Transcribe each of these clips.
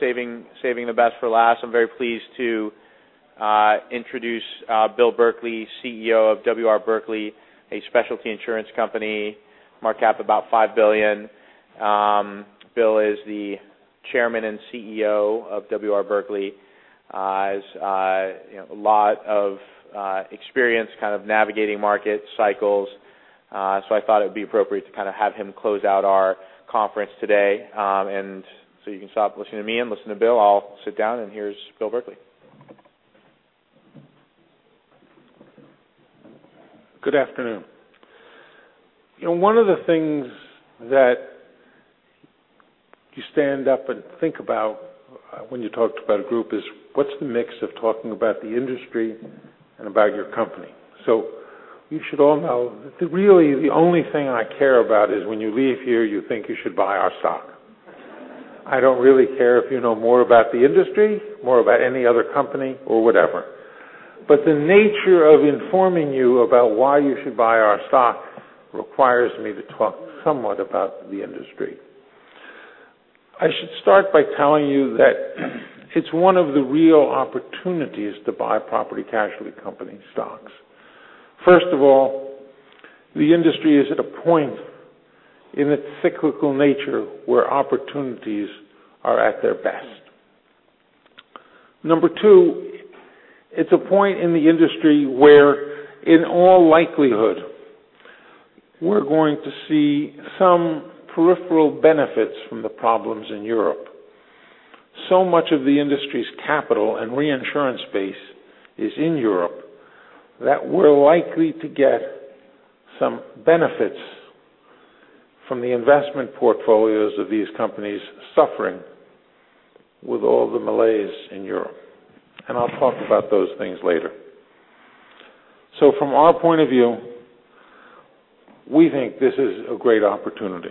Saving the best for last, I'm very pleased to introduce Bill Berkley, CEO of W. R. Berkley, a specialty insurance company, market cap about $5 billion. Bill is the Chairman and CEO of W. R. Berkley. Has a lot of experience kind of navigating market cycles. I thought it would be appropriate to have him close out our conference today. You can stop listening to me and listen to Bill. I'll sit down, and here's Bill Berkley. Good afternoon. One of the things that you stand up and think about when you talked about a group is what's the mix of talking about the industry and about your company. You should all know that really the only thing I care about is when you leave here, you think you should buy our stock. I don't really care if you know more about the industry, more about any other company or whatever. The nature of informing you about why you should buy our stock requires me to talk somewhat about the industry. I should start by telling you that it's one of the real opportunities to buy property casualty company stocks. First of all, the industry is at a point in its cyclical nature where opportunities are at their best. Number two, it's a point in the industry where, in all likelihood, we're going to see some peripheral benefits from the problems in Europe. Much of the industry's capital and reinsurance base is in Europe that we're likely to get some benefits from the investment portfolios of these companies suffering with all the malaise in Europe, and I'll talk about those things later. From our point of view, we think this is a great opportunity.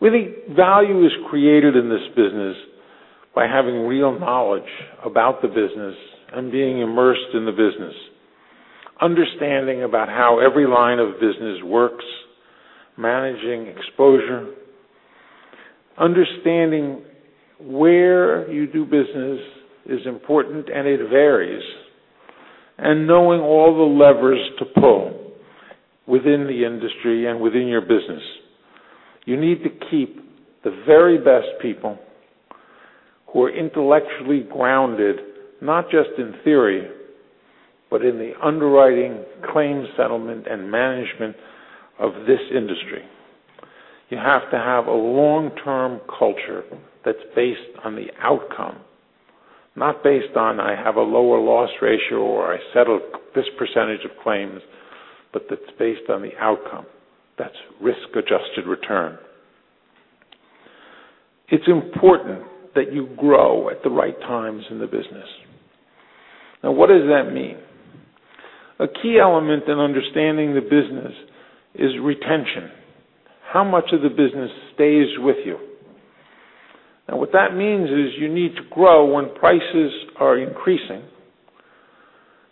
We think value is created in this business by having real knowledge about the business and being immersed in the business, understanding about how every line of business works, managing exposure, understanding where you do business is important, and it varies, and knowing all the levers to pull within the industry and within your business. You need to keep the very best people who are intellectually grounded, not just in theory, but in the underwriting, claim settlement, and management of this industry. You have to have a long-term culture that's based on the outcome, not based on, I have a lower loss ratio, or I settle this % of claims, but that's based on the outcome. That's risk-adjusted return. It's important that you grow at the right times in the business. Now, what does that mean? A key element in understanding the business is retention. How much of the business stays with you? Now, what that means is you need to grow when prices are increasing,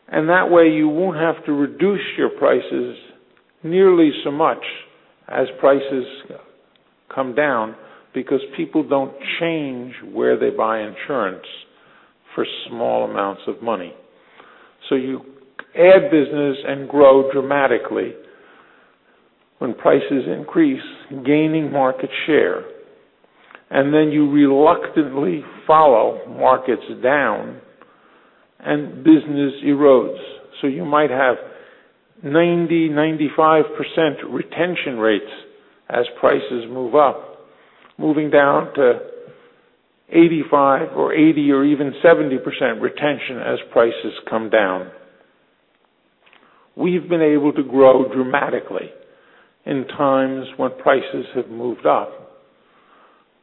and that way, you won't have to reduce your prices nearly so much as prices come down because people don't change where they buy insurance for small amounts of money. Add business and grow dramatically when prices increase, gaining market share, and then you reluctantly follow markets down and business erodes. You might have 90%-95% retention rates as prices move up, moving down to 85% or 80% or even 70% retention as prices come down. We've been able to grow dramatically in times when prices have moved up,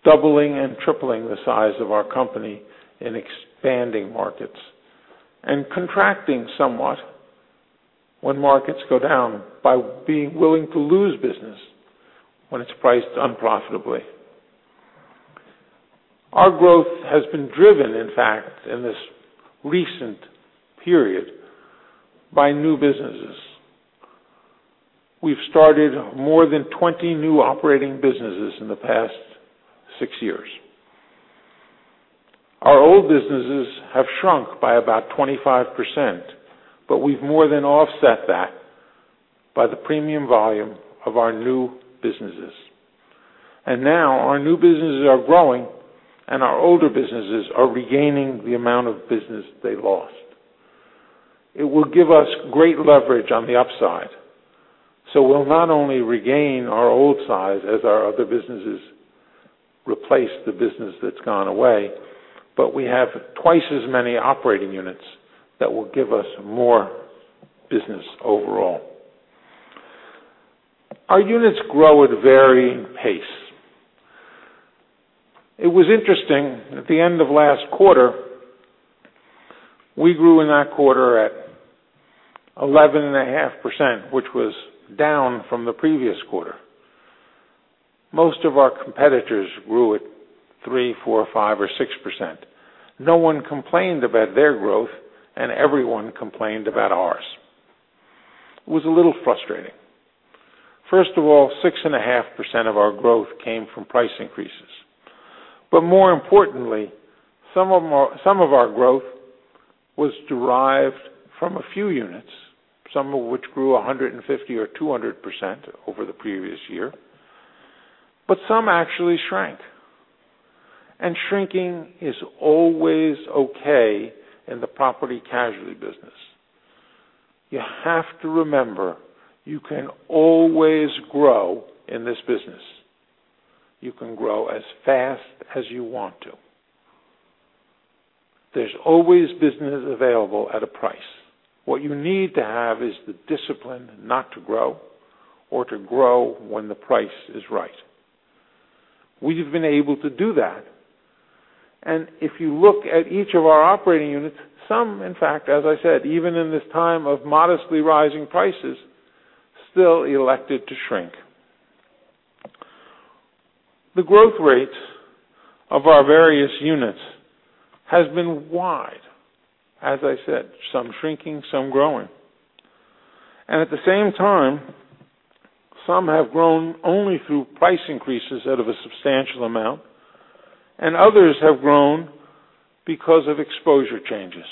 doubling and tripling the size of our company in expanding markets and contracting somewhat when markets go down by being willing to lose business when it's priced unprofitably. Our growth has been driven, in fact, in this recent period by new businesses. We've started more than 20 new operating businesses in the past six years. Our old businesses have shrunk by about 25%, but we've more than offset that by the premium volume of our new businesses. Now our new businesses are growing, and our older businesses are regaining the amount of business they lost. It will give us great leverage on the upside. We'll not only regain our old size as our other businesses replace the business that's gone away, but we have twice as many operating units that will give us more business overall. Our units grow at varying pace. It was interesting, at the end of last quarter, we grew in that quarter at 11.5%, which was down from the previous quarter. Most of our competitors grew at 3%, 4%, 5%, or 6%. No one complained about their growth, and everyone complained about ours. It was a little frustrating. First of all, 6.5% of our growth came from price increases. More importantly, some of our growth was derived from a few units, some of which grew 150% or 200% over the previous year. Some actually shrank. Shrinking is always okay in the property casualty business. You have to remember, you can always grow in this business. You can grow as fast as you want to. There's always business available at a price. What you need to have is the discipline not to grow or to grow when the price is right. We've been able to do that. If you look at each of our operating units, some, in fact, as I said, even in this time of modestly rising prices, still elected to shrink. The growth rate of our various units has been wide. As I said, some shrinking, some growing. At the same time, some have grown only through price increases out of a substantial amount, and others have grown because of exposure changes.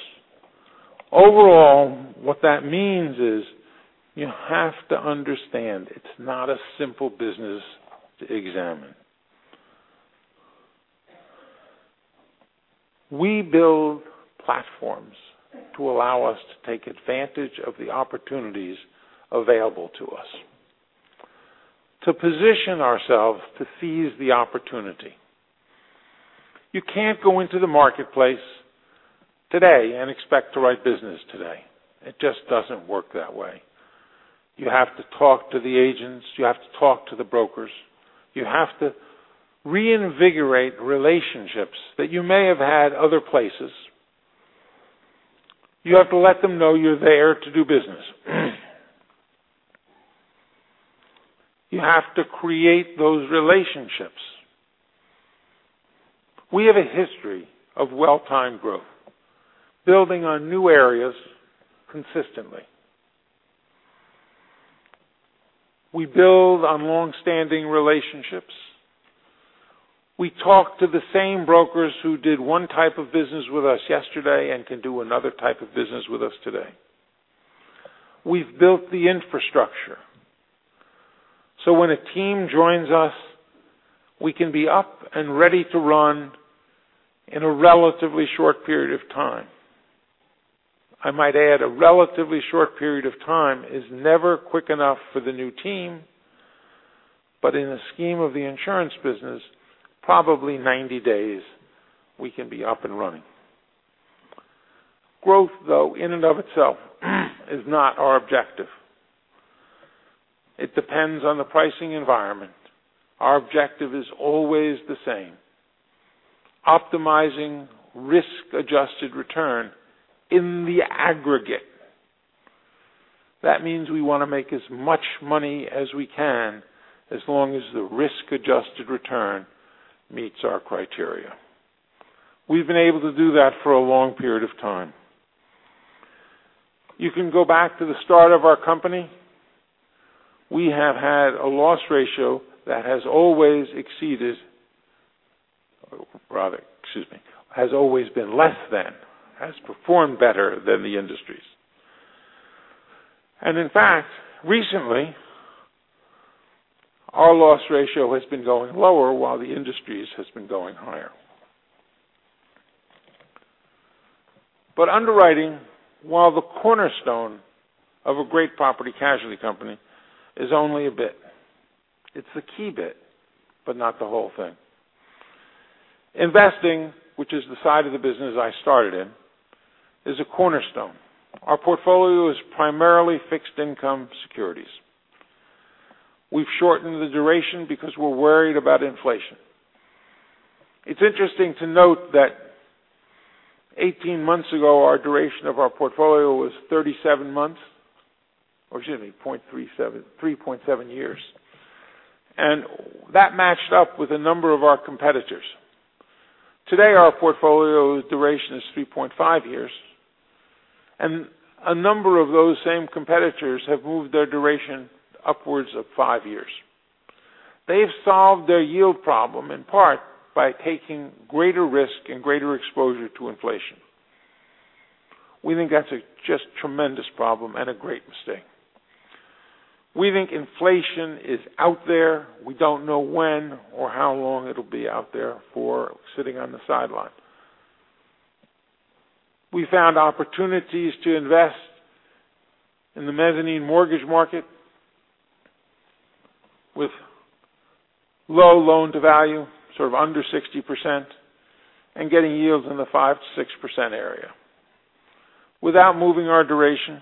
Overall, what that means is you have to understand, it's not a simple business to examine. We build platforms to allow us to take advantage of the opportunities available to us. To position ourselves to seize the opportunity. You can't go into the marketplace today and expect to write business today. It just doesn't work that way. You have to talk to the agents, you have to talk to the brokers. You have to reinvigorate relationships that you may have had other places. You have to let them know you're there to do business. You have to create those relationships. We have a history of well-timed growth, building on new areas consistently. We build on long-standing relationships. We talk to the same brokers who did one type of business with us yesterday and can do another type of business with us today. We've built the infrastructure, so when a team joins us, we can be up and ready to run in a relatively short period of time. I might add, a relatively short period of time is never quick enough for the new team, but in the scheme of the insurance business, probably 90 days, we can be up and running. Growth, though, in and of itself, is not our objective. It depends on the pricing environment. Our objective is always the same: optimizing risk-adjusted return in the aggregate. That means we want to make as much money as we can, as long as the risk-adjusted return meets our criteria. We've been able to do that for a long period of time. You can go back to the start of our company. We have had a loss ratio that has always exceeded. Excuse me. Has always been less than, has performed better than the industry's. In fact, recently, our loss ratio has been going lower while the industry's has been going higher. Underwriting, while the cornerstone of a great property casualty company, is only a bit. It's the key bit, but not the whole thing. Investing, which is the side of the business I started in, is a cornerstone. Our portfolio is primarily fixed income securities. We've shortened the duration because we're worried about inflation. It's interesting to note that 18 months ago, our duration of our portfolio was 37 months, 3.7 years. That matched up with a number of our competitors. Today, our portfolio duration is 3.5 years. A number of those same competitors have moved their duration upwards of five years. They've solved their yield problem in part by taking greater risk and greater exposure to inflation. We think that's a just tremendous problem and a great mistake. We think inflation is out there. We don't know when or how long it'll be out there for, sitting on the sideline. We found opportunities to invest in the mezzanine mortgage market with low loan-to-value, sort of under 60%, and getting yields in the 5%-6% area. Without moving our duration,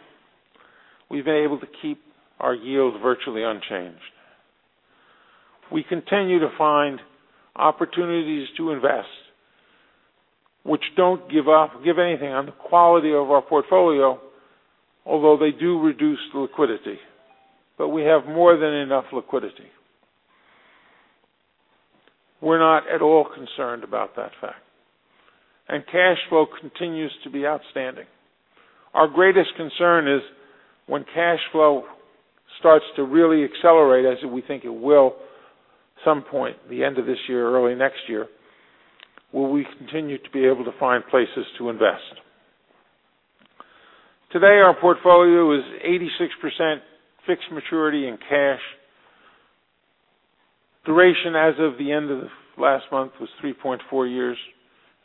we've been able to keep our yield virtually unchanged. We continue to find opportunities to invest which don't give anything on the quality of our portfolio, although they do reduce liquidity. We have more than enough liquidity. We're not at all concerned about that fact. Cash flow continues to be outstanding. Our greatest concern is when cash flow starts to really accelerate, as we think it will at some point, the end of this year or early next year, will we continue to be able to find places to invest? Today, our portfolio is 86% fixed maturity and cash. Duration as of the end of last month was 3.4 years,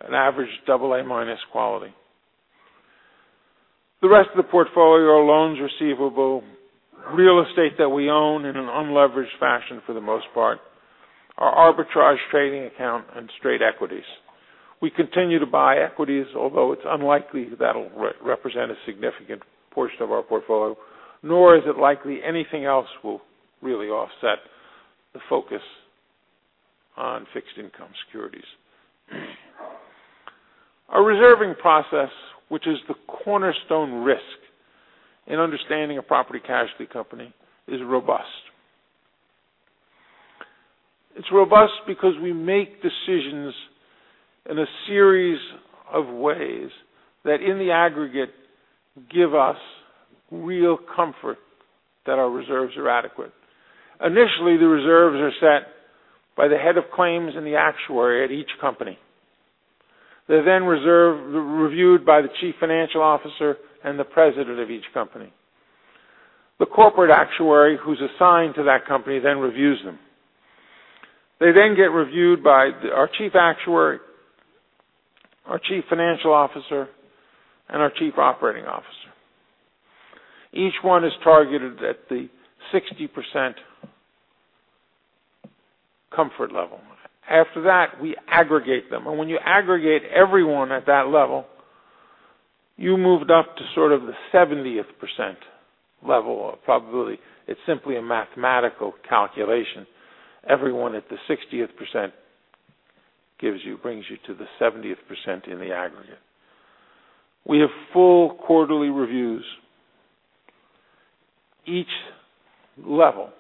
an average AA- quality. The rest of the portfolio are loans receivable, real estate that we own in an unleveraged fashion for the most part, our arbitrage trading account, and straight equities. We continue to buy equities, although it's unlikely that'll represent a significant portion of our portfolio, nor is it likely anything else will really offset the focus on fixed income securities. Our reserving process, which is the cornerstone risk in understanding a property casualty company, is robust. It's robust because we make decisions in a series of ways that, in the aggregate, give us real comfort that our reserves are adequate. Initially, the reserves are set by the head of claims and the actuary at each company. They're then reviewed by the chief financial officer and the president of each company. The corporate actuary who's assigned to that company then reviews them. They then get reviewed by our chief actuary, our chief financial officer, and our chief operating officer. Each one is targeted at the 60% comfort level. After that, we aggregate them. When you aggregate everyone at that level, you moved up to sort of the 70th% level of probability. It's simply a mathematical calculation. Everyone at the 60th% brings you to the 70th% in the aggregate. We have full quarterly reviews. Each level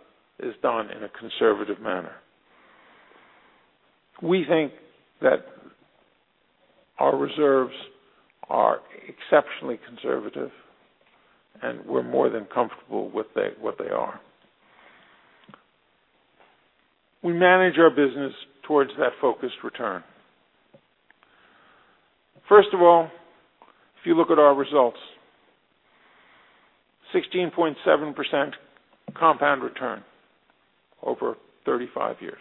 is done in a conservative manner. We think that our reserves are exceptionally conservative, and we're more than comfortable with what they are. We manage our business towards that focused return. First of all, if you look at our results, 16.7% compound return over 35 years.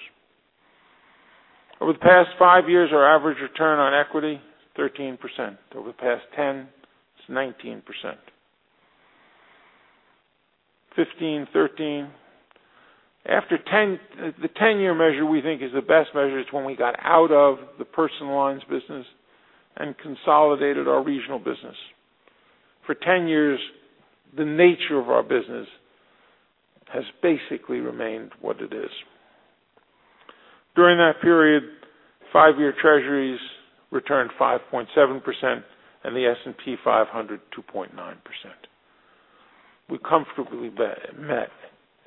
Over the past five years, our average return on equity, 13%. Over the past 10, it's 19%. 15, 13. The 10-year measure, we think, is the best measure. It's when we got out of the personal lines business and consolidated our regional business. For 10 years, the nature of our business has basically remained what it is. During that period, five-year Treasuries returned 5.7%, and the S&P 500, 2.9%. We comfortably met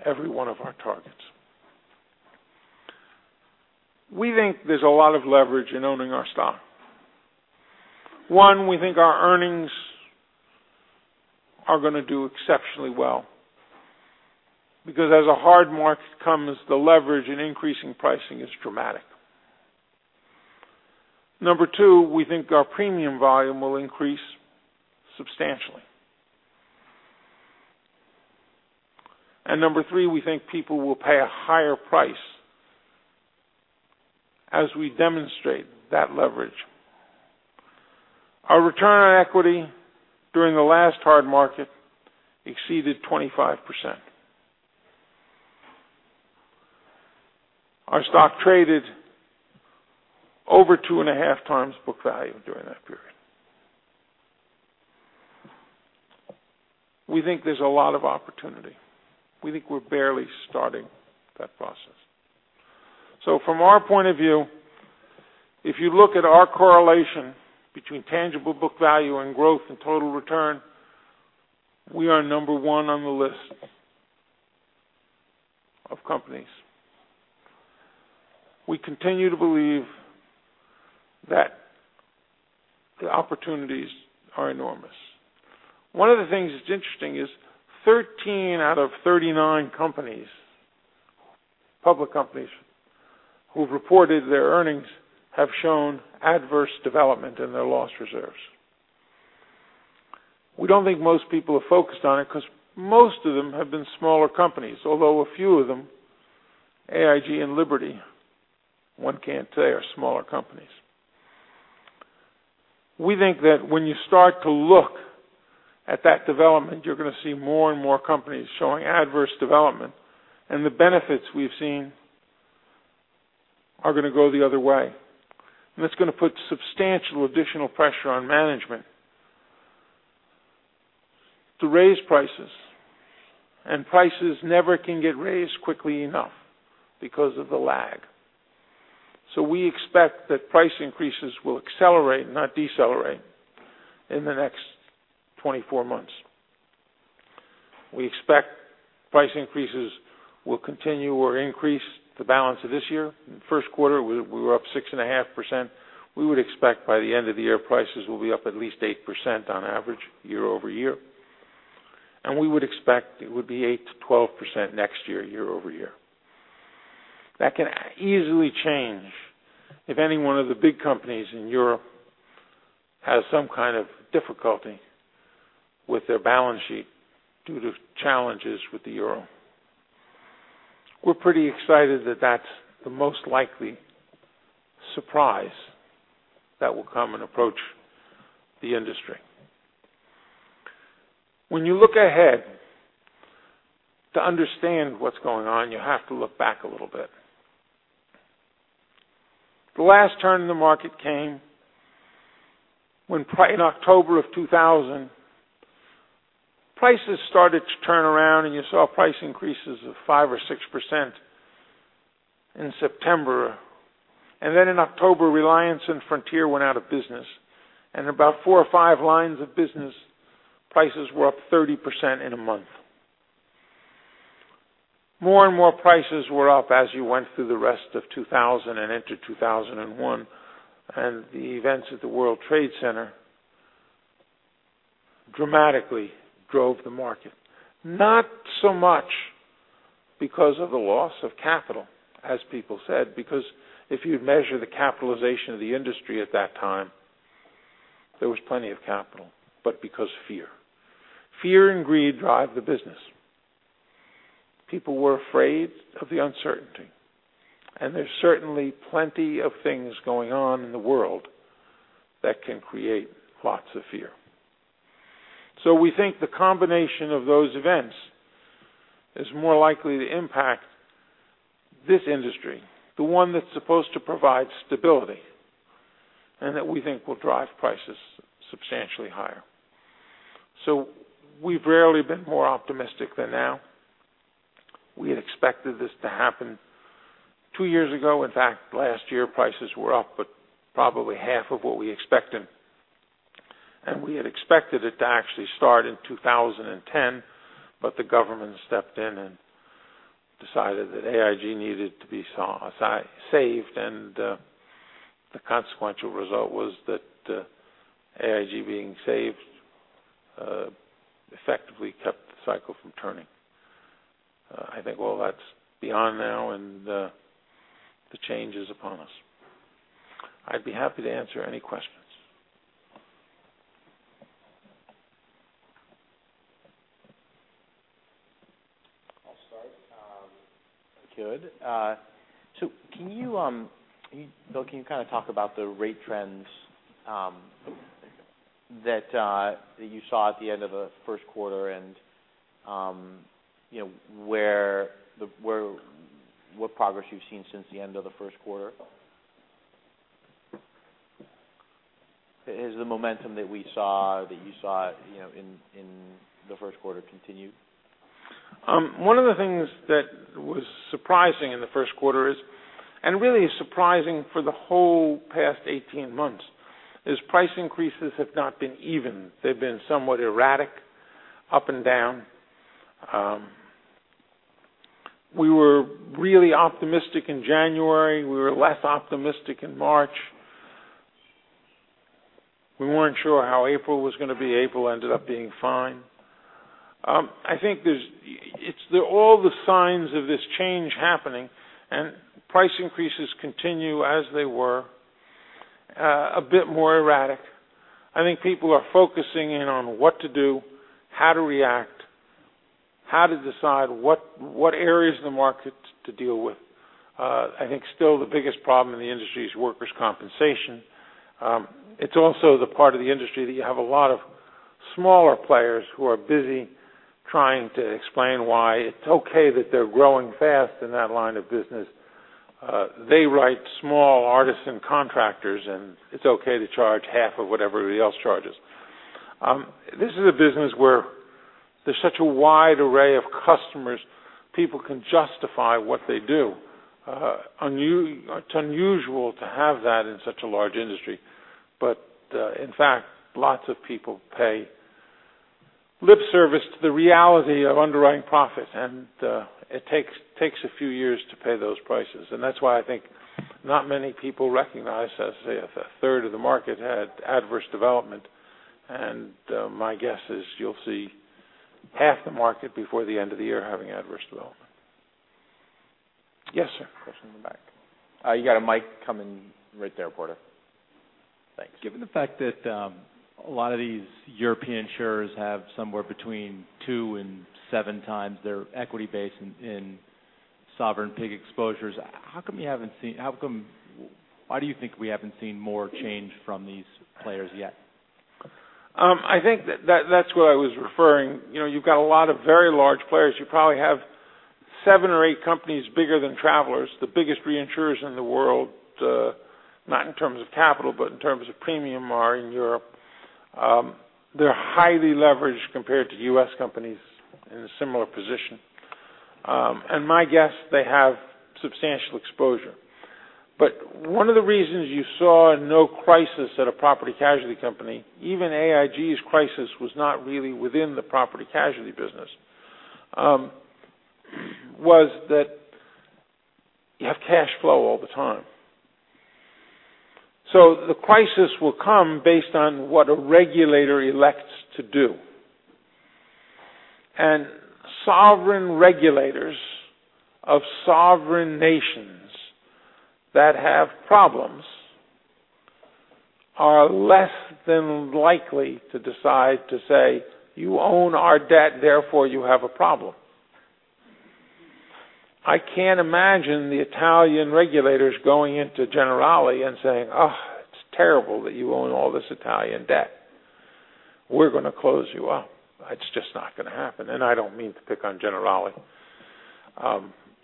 every one of our targets. We think there's a lot of leverage in owning our stock. One, we think our earnings are going to do exceptionally well because as a hard market comes, the leverage in increasing pricing is dramatic. Number two, we think our premium volume will increase substantially. Number three, we think people will pay a higher price as we demonstrate that leverage. Our return on equity during the last hard market exceeded 25%. Our stock traded over two and a half times book value during that period. We think there's a lot of opportunity. We think we're barely starting that process. From our point of view, if you look at our correlation between tangible book value and growth and total return, we are number one on the list of companies. We continue to believe that the opportunities are enormous. One of the things that's interesting is 13 out of 39 companies, public companies, who have reported their earnings have shown adverse development in their loss reserves. We don't think most people are focused on it because most of them have been smaller companies, although a few of them, AIG and Liberty, one can't say are smaller companies. We think that when you start to look at that development, you're going to see more and more companies showing adverse development, and the benefits we've seen are going to go the other way. It's going to put substantial additional pressure on management to raise prices. Prices never can get raised quickly enough because of the lag. We expect that price increases will accelerate, not decelerate, in the next 24 months. We expect price increases will continue or increase the balance of this year. In the first quarter, we were up 6.5%. We would expect by the end of the year, prices will be up at least 8% on average, year-over-year. We would expect it would be 8%-12% next year-over-year. That can easily change if any one of the big companies in Europe has some kind of difficulty with their balance sheet due to challenges with the euro. We're pretty excited that that's the most likely surprise that will come and approach the industry. When you look ahead to understand what's going on, you have to look back a little bit. The last turn in the market came in October of 2000. Prices started to turn around. You saw price increases of 5% or 6% in September. In October, Reliance Insurance Company and Frontier Insurance Company went out of business. About four or five lines of business prices were up 30% in a month. More and more prices were up as you went through the rest of 2000 and into 2001. The events of the World Trade Center dramatically drove the market. Not so much because of the loss of capital, as people said, because if you measure the capitalization of the industry at that time, there was plenty of capital, but because fear. Fear and greed drive the business. People were afraid of the uncertainty. There's certainly plenty of things going on in the world that can create lots of fear. We think the combination of those events is more likely to impact this industry, the one that's supposed to provide stability, and that we think will drive prices substantially higher. We've rarely been more optimistic than now. We had expected this to happen two years ago. In fact, last year prices were up but probably half of what we expected. We had expected it to actually start in 2010. The government stepped in and decided that American International Group needed to be saved. The consequential result was that American International Group being saved effectively kept the cycle from turning. I think all that's beyond now. The change is upon us. I'd be happy to answer any questions. I'll start if I could. Bill, can you talk about the rate trends that you saw at the end of the first quarter and what progress you've seen since the end of the first quarter? Has the momentum that you saw in the first quarter continued? One of the things that was surprising in the first quarter is, and really surprising for the whole past 18 months, is price increases have not been even. They've been somewhat erratic, up and down. We were really optimistic in January. We were less optimistic in March. We weren't sure how April was going to be. April ended up being fine. I think all the signs of this change happening, and price increases continue as they were, a bit more erratic. I think people are focusing in on what to do, how to react, how to decide what areas of the market to deal with. I think still the biggest problem in the industry is workers' compensation. It's also the part of the industry that you have a lot of smaller players who are busy trying to explain why it's okay that they're growing fast in that line of business. They write small artisan contractors, and it's okay to charge half of what everybody else charges. This is a business where there's such a wide array of customers, people can justify what they do. It's unusual to have that in such a large industry. In fact, lots of people pay lip service to the reality of underwriting profits, and it takes a few years to pay those prices. That's why I think not many people recognize that a third of the market had adverse development, and my guess is you'll see half the market before the end of the year having adverse development. Yes, sir. Question in the back. You got a mic coming right there, Porter. Thanks. Given the fact that a lot of these European insurers have somewhere between two and seven times their equity base in sovereign PIIGS exposures, why do you think we haven't seen more change from these players yet? I think that that's what I was referring. You've got a lot of very large players. You probably have 7 or 8 companies bigger than Travelers. The biggest reinsurers in the world, not in terms of capital, but in terms of premium, are in Europe. They're highly leveraged compared to U.S. companies in a similar position. My guess, they have substantial exposure. One of the reasons you saw no crisis at a property casualty company, even AIG's crisis was not really within the property casualty business, was that you have cash flow all the time. The crisis will come based on what a regulator elects to do. Sovereign regulators of sovereign nations that have problems are less than likely to decide to say, "You own our debt, therefore you have a problem." I can't imagine the Italian regulators going into Generali and saying, "Oh, it's terrible that you own all this Italian debt. We're going to close you up." It's just not going to happen, and I don't mean to pick on Generali.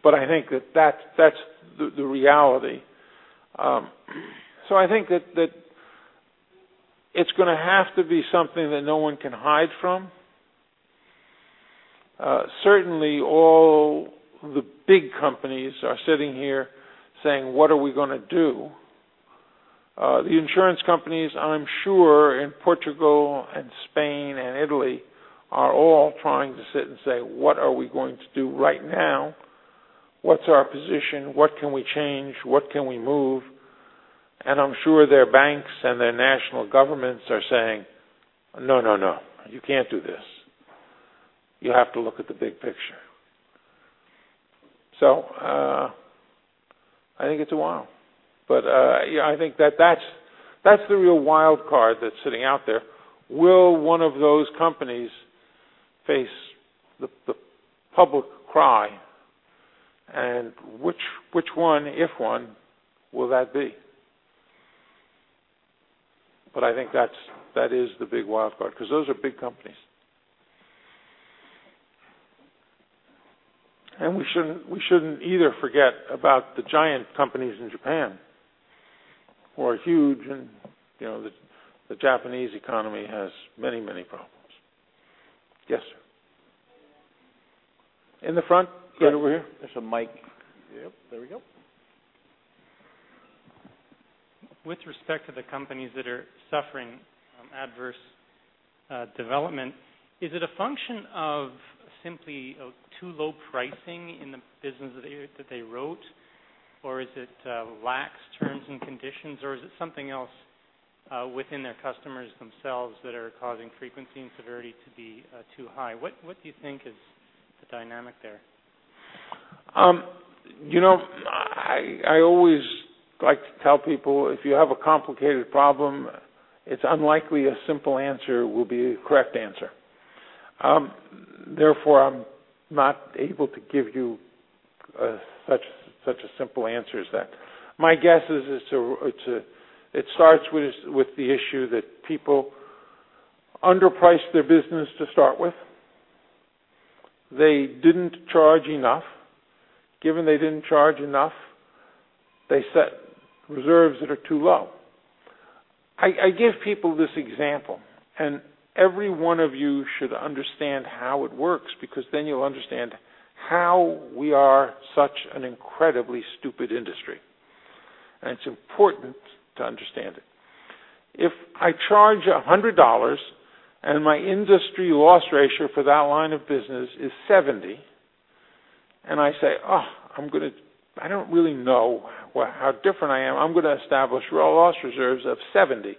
I think that that's the reality. I think that it's going to have to be something that no one can hide from. Certainly, all the big companies are sitting here saying, "What are we going to do?" The insurance companies, I'm sure, in Portugal and Spain and Italy are all trying to sit and say, "What are we going to do right now? What's our position? What can we change? What can we move?" I'm sure their banks and their national governments are saying, "No, you can't do this. You have to look at the big picture." I think it's a while. I think that that's the real wild card that's sitting out there. Will one of those companies face the public cry, and which one, if one, will that be? I think that is the big wild card, because those are big companies. We shouldn't either forget about the giant companies in Japan who are huge, and the Japanese economy has many problems. Yes, sir. In the front, right over here. There's a mic. Yep, there we go. With respect to the companies that are suffering adverse development, is it a function of simply too low pricing in the business that they wrote, or is it lax terms and conditions, or is it something else within their customers themselves that are causing frequency and severity to be too high? What do you think is the dynamic there? I always like to tell people, if you have a complicated problem, it's unlikely a simple answer will be a correct answer. I'm not able to give you such a simple answer as that. My guess is it starts with the issue that people underpriced their business to start with. They didn't charge enough. Given they didn't charge enough, they set reserves that are too low. I give people this example, and every one of you should understand how it works because then you'll understand how we are such an incredibly stupid industry, and it's important to understand it. If I charge $100, and my industry loss ratio for that line of business is 70%, and I say, "Oh, I don't really know how different I am. I'm going to establish raw loss reserves of $70."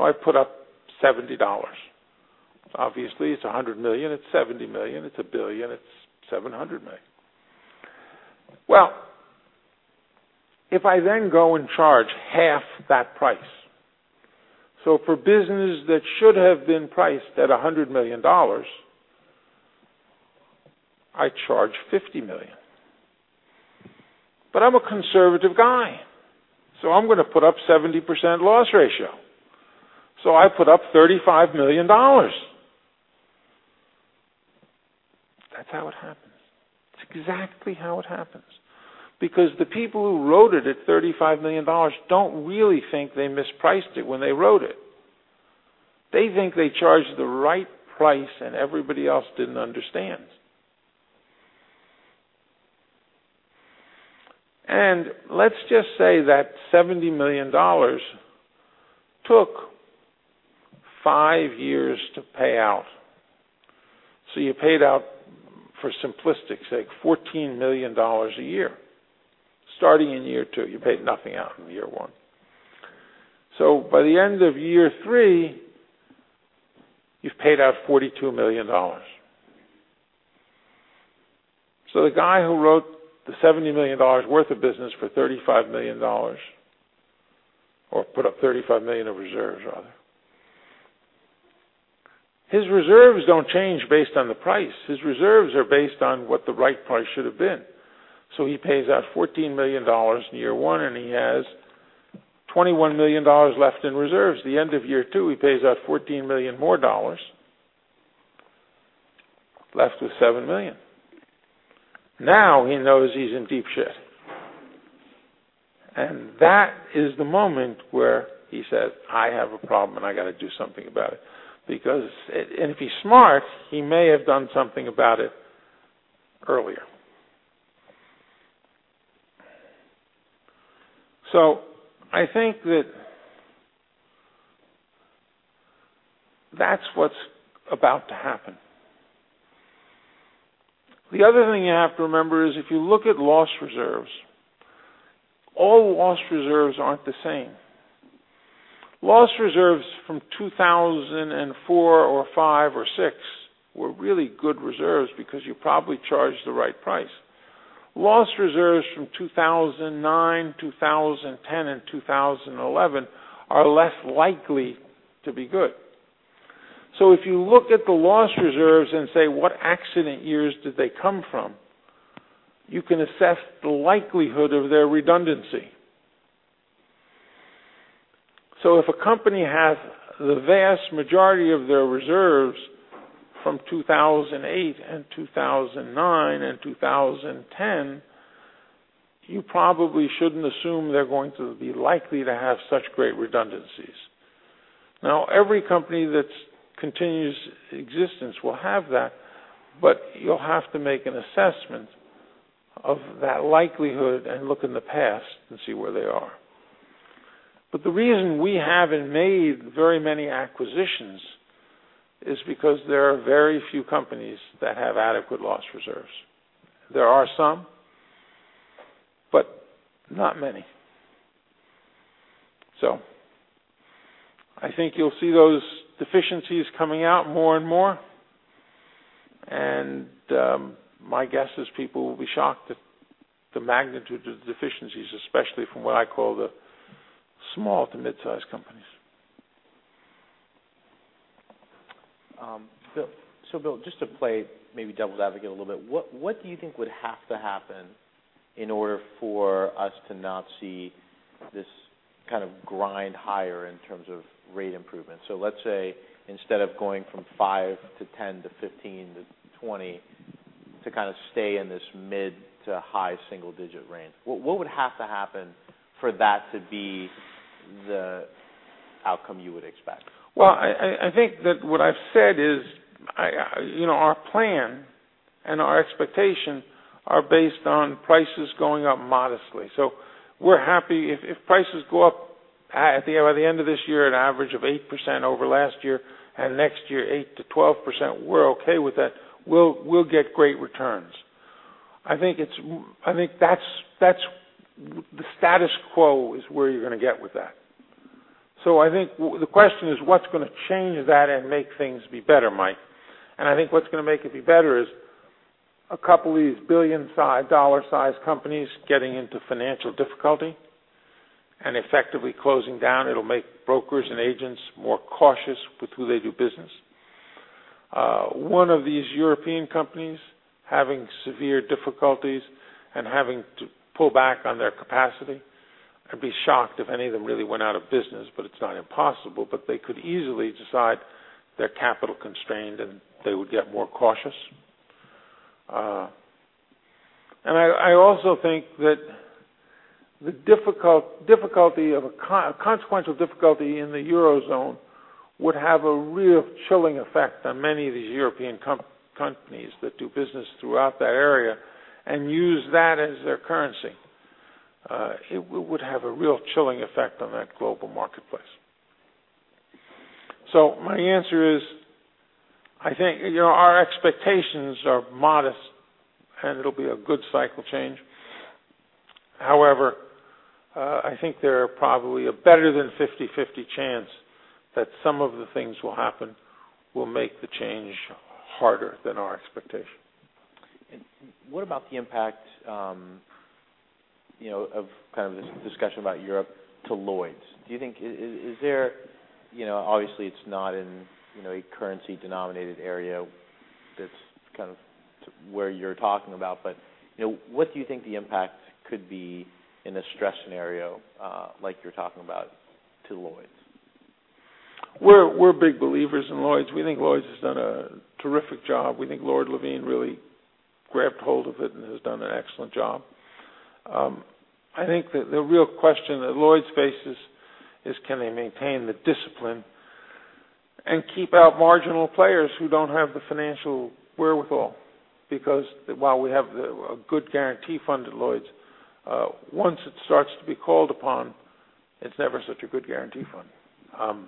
I put up $70. Obviously, it's $100 million, it's $70 million, it's $1 billion, it's $700 million. If I then go and charge half that price, so for business that should have been priced at $100 million, I charge $50 million. I'm a conservative guy, so I'm going to put up 70% loss ratio. I put up $35 million. That's how it happens. That's exactly how it happens because the people who wrote it at $35 million don't really think they mispriced it when they wrote it. They think they charged the right price and everybody else didn't understand. Let's just say that $70 million took five years to pay out. You paid out, for simplistic sake, $14 million a year, starting in year two. You paid nothing out in year one. By the end of year three, you've paid out $42 million. The guy who wrote the $70 million worth of business for $35 million, or put up $35 million of reserves, rather, his reserves don't change based on the price. His reserves are based on what the right price should have been. He pays out $14 million in year one, and he has $21 million left in reserves. The end of year two, he pays out $14 million more, left with $7 million. Now he knows he's in deep shit. That is the moment where he says, "I have a problem, and I got to do something about it." If he's smart, he may have done something about it earlier. I think that's what's about to happen. The other thing you have to remember is if you look at loss reserves, all loss reserves aren't the same. Loss reserves from 2004 or 2005 or 2006 were really good reserves because you probably charged the right price. Loss reserves from 2009, 2010, and 2011 are less likely to be good. If you look at the loss reserves and say, what accident years did they come from, you can assess the likelihood of their redundancy. If a company has the vast majority of their reserves from 2008 and 2009 and 2010, you probably shouldn't assume they're going to be likely to have such great redundancies. Now, every company that continues existence will have that, but you'll have to make an assessment of that likelihood and look in the past and see where they are. The reason we haven't made very many acquisitions is because there are very few companies that have adequate loss reserves. There are some, but not many. I think you'll see those deficiencies coming out more and more, and my guess is people will be shocked at the magnitude of the deficiencies, especially from what I call the small to mid-size companies. Bill, just to play maybe devil's advocate a little bit, what do you think would have to happen in order for us to not see this kind of grind higher in terms of rate improvement? Let's say instead of going from five to 10 to 15 to 20, to kind of stay in this mid to high single digit range, what would have to happen for that to be the outcome you would expect? I think that what I've said is our plan and our expectation are based on prices going up modestly. We're happy if prices go up by the end of this year at an average of 8% over last year, and next year, 8%-12%, we're okay with that. We'll get great returns. I think the status quo is where you're going to get with that. I think the question is what's going to change that and make things be better, Mike? I think what's going to make it be better is a couple of these billion-dollar size companies getting into financial difficulty and effectively closing down. It'll make brokers and agents more cautious with who they do business. One of these European companies having severe difficulties and having to pull back on their capacity. I'd be shocked if any of them really went out of business, but it's not impossible, but they could easily decide they're capital constrained, and they would get more cautious. I also think that a consequential difficulty in the Eurozone would have a real chilling effect on many of these European companies that do business throughout that area and use that as their currency. It would have a real chilling effect on that global marketplace. My answer is, I think our expectations are modest, and it'll be a good cycle change. However, I think there are probably a better than 50/50 chance that some of the things will happen will make the change harder than our expectation. What about the impact of this discussion about Europe to Lloyd's? Obviously it's not in a currency denominated area, that's kind of where you're talking about, but what do you think the impact could be in a stress scenario like you're talking about to Lloyd's? We're big believers in Lloyd's. We think Lloyd's has done a terrific job. We think Lord Levene really grabbed hold of it and has done an excellent job. I think that the real question that Lloyd's faces is can they maintain the discipline and keep out marginal players who don't have the financial wherewithal? Because while we have a good Central Fund at Lloyd's, once it starts to be called upon, it's never such a good Central Fund.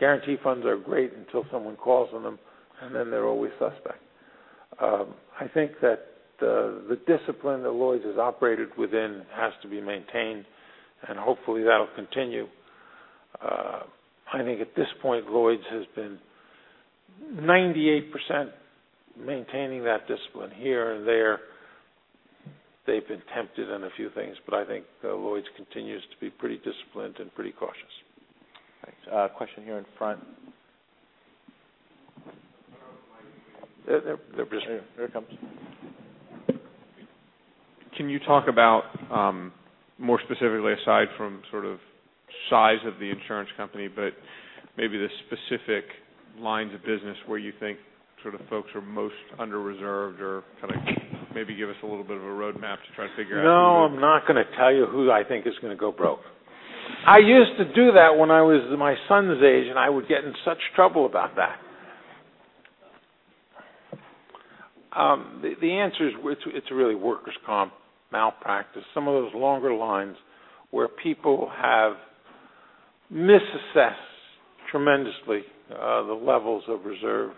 Guarantee funds are great until someone calls on them, and then they're always suspect. I think that the discipline that Lloyd's has operated within has to be maintained, and hopefully, that'll continue. I think at this point, Lloyd's has been 98% maintaining that discipline here and there. They've been tempted on a few things, but I think Lloyd's continues to be pretty disciplined and pretty cautious. Thanks. A question here in front. Turn on the mic again. There it comes. Can you talk about more specifically, aside from Size of the insurance company, but maybe the specific lines of business where you think folks are most under-reserved or maybe give us a little bit of a roadmap to try to figure out. No, I'm not going to tell you who I think is going to go broke. I used to do that when I was my son's age, and I would get in such trouble about that. The answer is it's really workers' comp, malpractice, some of those longer lines where people have misassessed tremendously the levels of reserve.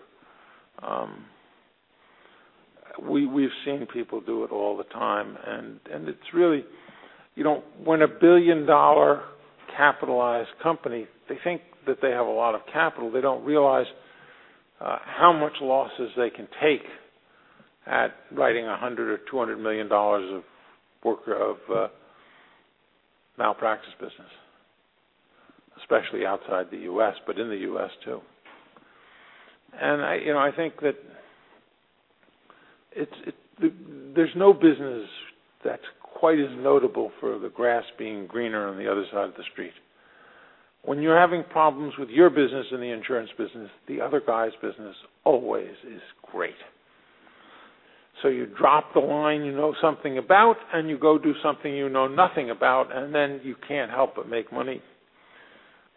We've seen people do it all the time. When a billion-dollar capitalized company, they think that they have a lot of capital. They don't realize how much losses they can take at writing $100 or $200 million of malpractice business, especially outside the U.S., but in the U.S. too. I think that there's no business that's quite as notable for the grass being greener on the other side of the street. When you're having problems with your business in the insurance business, the other guy's business always is great. You drop the line you know something about, and you go do something you know nothing about, and then you can't help but make money.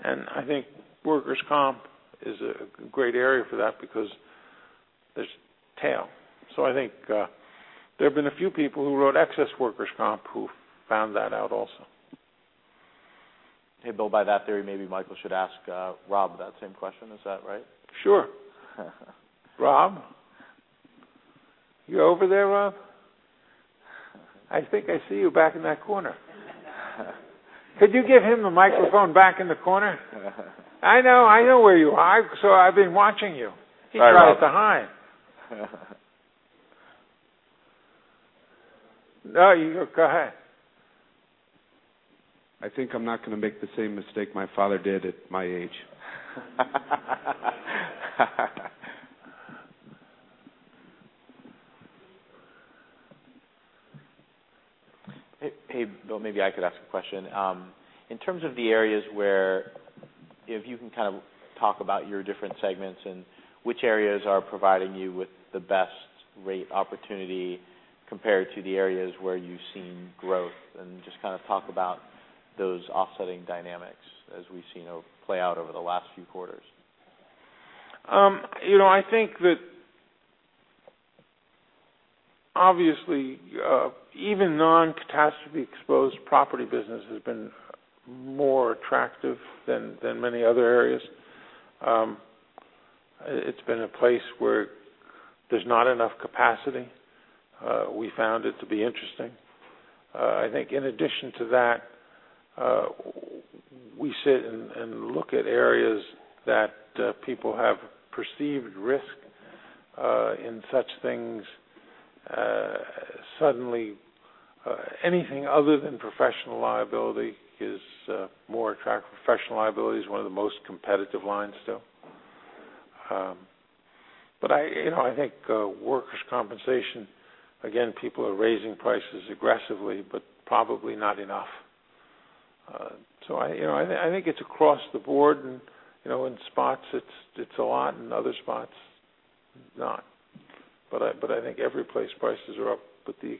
I think workers' comp is a great area for that because there's tail. I think there have been a few people who wrote excess workers' comp, who found that out also. Hey, Bill, by that theory, maybe Michael should ask Rob that same question. Is that right? Sure. Rob? You over there, Rob? I think I see you back in that corner. Could you give him the microphone back in the corner? I know where you are. I've been watching you. Sorry. He tries to hide. No, you go ahead. I think I'm not going to make the same mistake my father did at my age. Hey, Bill, maybe I could ask a question. In terms of the areas where, if you can talk about your different segments and which areas are providing you with the best rate opportunity compared to the areas where you've seen growth, and just talk about those offsetting dynamics as we've seen play out over the last few quarters. I think that, obviously, even non-catastrophe-exposed property business has been more attractive than many other areas. It's been a place where there's not enough capacity. We found it to be interesting. I think in addition to that, we sit and look at areas that people have perceived risk in such things. Suddenly, anything other than professional liability is more attractive. Professional liability is one of the most competitive lines still. I think workers' compensation, again, people are raising prices aggressively, but probably not enough. I think it's across the board and in spots it's a lot, in other spots, it's not. I think every place prices are up, with the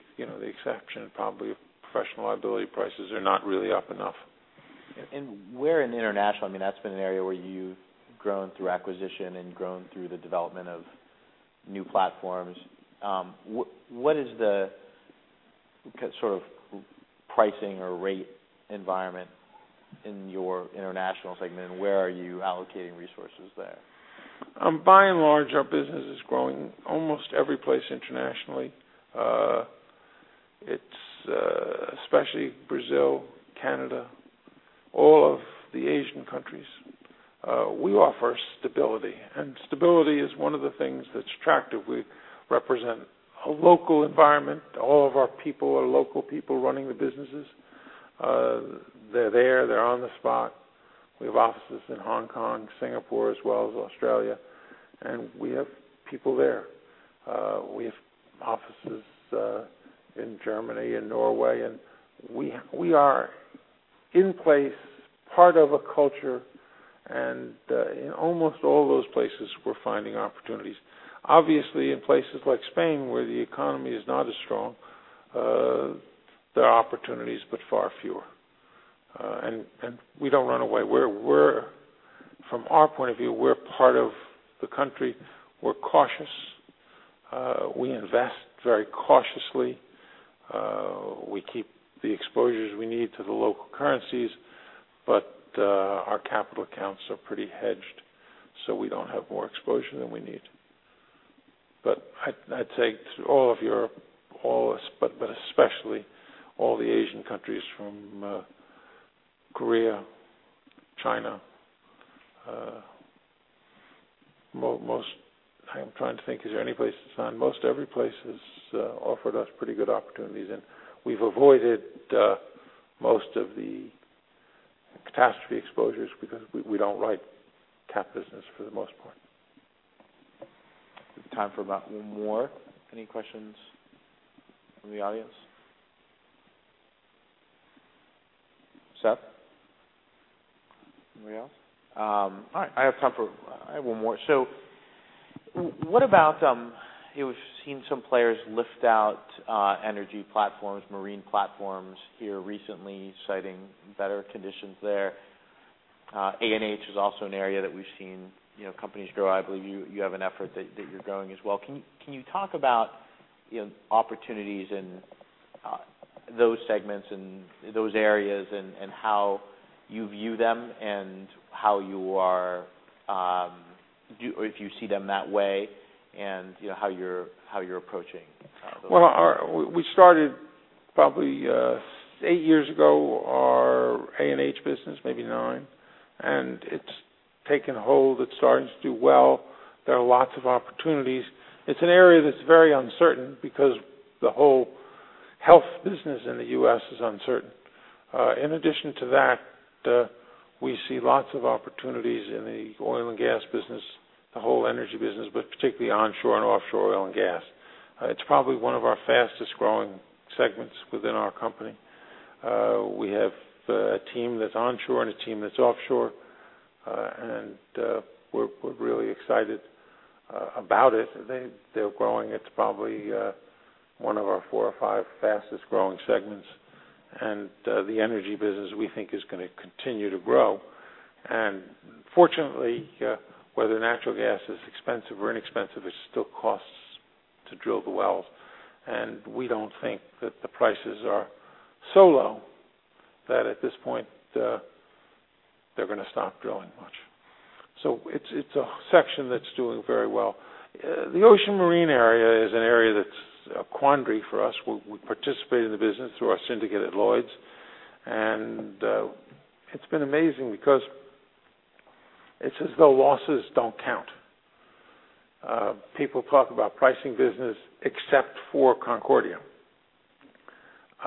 exception probably of professional liability prices are not really up enough. Where in international, that's been an area where you've grown through acquisition and grown through the development of new platforms. What is the pricing or rate environment in your international segment, and where are you allocating resources there? By and large, our business is growing almost every place internationally. It's especially Brazil, Canada, all of the Asian countries. We offer stability, and stability is one of the things that's attractive. We represent a local environment. All of our people are local people running the businesses. They're there. They're on the spot. We have offices in Hong Kong, Singapore, as well as Australia. We have people there. We have offices in Germany and Norway, and we are in place, part of a culture, in almost all those places, we're finding opportunities. Obviously, in places like Spain, where the economy is not as strong, there are opportunities, but far fewer. We don't run away. From our point of view, we're part of the country. We're cautious. We invest very cautiously. We keep the exposures we need to the local currencies, our capital accounts are pretty hedged, we don't have more exposure than we need. I'd say to all of Europe, but especially all the Asian countries from Korea, China. I'm trying to think, is there any place it's not? Most every place has offered us pretty good opportunities, we've avoided most of the catastrophe exposures because we don't write catastrophe business for the most part. Time for about one more. Any questions from the audience? Seth? Anybody else? All right, I have time for one more. What about, we've seen some players lift out energy platforms, marine platforms here recently, citing better conditions there. A&H is also an area that we've seen companies grow. I believe you have an effort that you're growing as well. Can you talk about opportunities in those segments and those areas and how you view them and if you see them that way, and how you're approaching those? We started probably eight years ago, our A&H business, maybe nine, and it's taken hold. It's starting to do well. There are lots of opportunities. It's an area that's very uncertain because the whole health business in the U.S. is uncertain. In addition to that, we see lots of opportunities in the oil and gas business, the whole energy business, but particularly onshore and offshore oil and gas. It's probably one of our fastest-growing segments within our company. We have a team that's onshore and a team that's offshore, and we're really excited about it. They're growing. It's probably one of our four or five fastest-growing segments, and the energy business, we think, is going to continue to grow. Fortunately, whether natural gas is expensive or inexpensive, it still costs to drill the wells. We don't think that the prices are so low that at this point they're going to stop drilling much. It's a section that's doing very well. The ocean marine area is an area that's a quandary for us. We participate in the business through our syndicate at Lloyd's. It's been amazing because it's as though losses don't count. People talk about pricing business except for Concordia.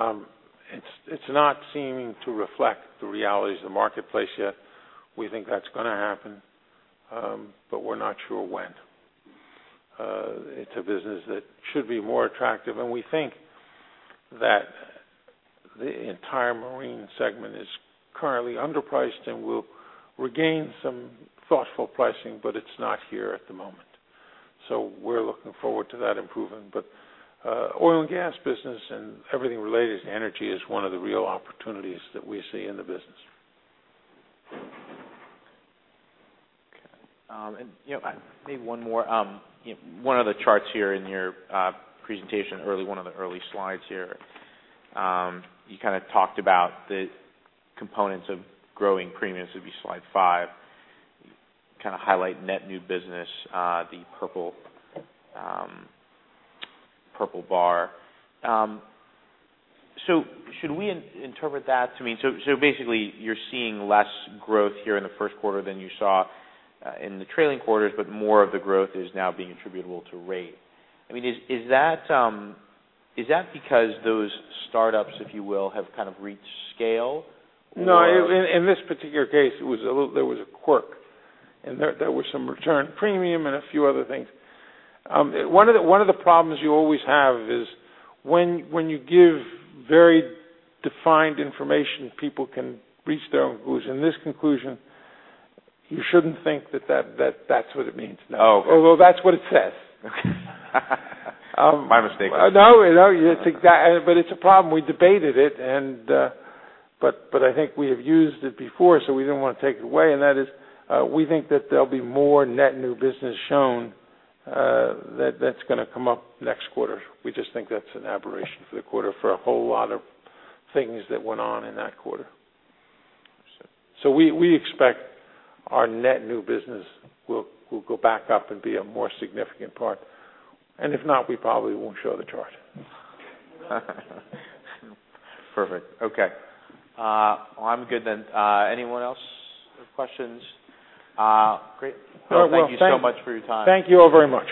It's not seeming to reflect the realities of the marketplace yet. We think that's going to happen, but we're not sure when. It's a business that should be more attractive, and we think that the entire marine segment is currently underpriced and will regain some thoughtful pricing, but it's not here at the moment. We're looking forward to that improving. Oil and gas business and everything related to energy is one of the real opportunities that we see in the business. Okay. Maybe one more. One of the charts here in your presentation, one of the early slides here, you talked about the components of growing premiums. It would be slide five. You highlight net new business, the purple bar. Should we interpret that to mean, so basically you're seeing less growth here in the first quarter than you saw in the trailing quarters, but more of the growth is now being attributable to rate. Is that because those startups, if you will, have reached scale, or? No, in this particular case, there was a quirk, and there was some return premium and a few other things. One of the problems you always have is when you give very defined information, people can reach their own conclusions, and this conclusion, you shouldn't think that that's what it means. Oh, okay. Although that's what it says. My mistake. No, it's a problem. We debated it, but I think we have used it before, so we didn't want to take it away. That is, we think that there'll be more net new business shown that's going to come up next quarter. We just think that's an aberration for the quarter for a whole lot of things that went on in that quarter. I see. We expect our net new business will go back up and be a more significant part. If not, we probably won't show the chart. Perfect. Okay. Well, I'm good then. Anyone else have questions? Great. All right. Well. Thank you so much for your time. Thank you all very much.